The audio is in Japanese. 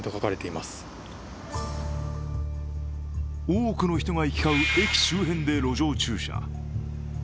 多くの人が行き交う駅周辺で路上駐車。